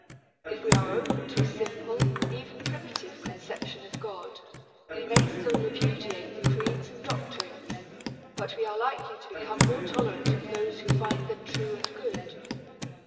If we are open to a simple, even primitive, conception of God, we may still repudiate the creeds and doctrines, but we are likely to become more tolerant of those who find them true and good.